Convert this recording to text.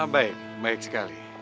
baik baik sekali